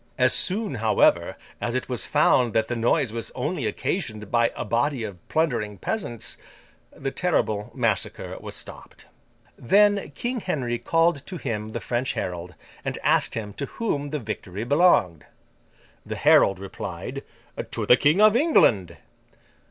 As soon, however, as it was found that the noise was only occasioned by a body of plundering peasants, the terrible massacre was stopped. Then King Henry called to him the French herald, and asked him to whom the victory belonged. The herald replied, 'To the King of England.